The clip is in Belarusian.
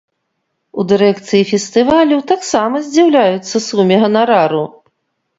У дырэкцыі фестывалю таксама здзіўляюцца суме ганарару.